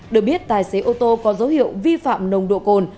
được biết tài xế ô tô có dấu hiệu vi phạm nồng độ cồn